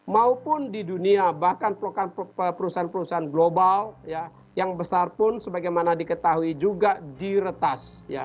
maupun di dunia bahkan perusahaan perusahaan global yang besar pun sebagaimana diketahui juga diretas